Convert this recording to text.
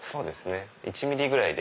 １ｍｍぐらいで。